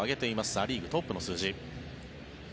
ア・リーグトップの数字。